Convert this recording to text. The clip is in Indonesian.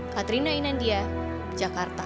katrina inandia jakarta